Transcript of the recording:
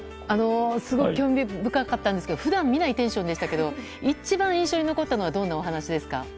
すごく興味深かったんですが普段見ないテンションでしたけど一番印象に残ったのはどんなお話ですか？